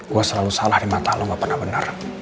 gue selalu salah di mata lo gak pernah bener